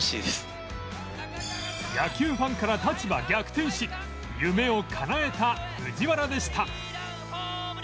野球ファンから立場逆転し夢をかなえた藤原でした